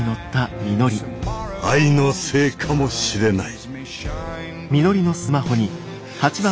愛のせいかもしれない。